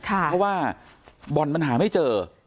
ักว่าบ่อนมันหาไม่เจอ